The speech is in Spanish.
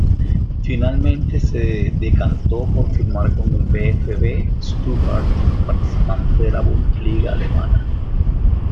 Finalmente, se decantó por firmar con el VfB Stuttgart, participante de la Bundesliga alemana.